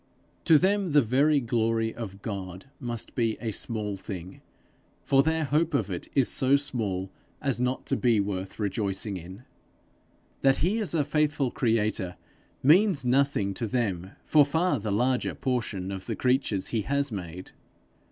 To them the very glory of God must be a small thing, for their hope of it is so small as not to be worth rejoicing in. That he is a faithful creator means nothing to them for far the larger portion of the creatures he has made!